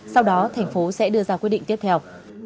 sau đó thành phố sẽ đưa ra quyết định tiếp theo